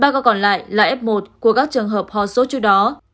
ba ca còn lại là f một của các trường hợp ho sốt trước đó